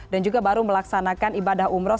dan juga baru melaksanakan ibadah umroh